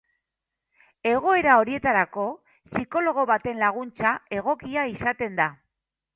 Egoera horietarako psikologo baten laguntza egokia izaten da.